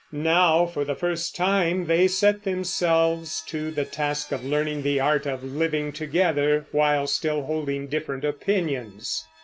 Now for the first time they set themselves to the task of learning the art of living together, while still holding different opinions.